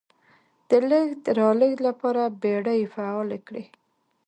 د لېږد رالېږد لپاره بېړۍ فعالې کړې.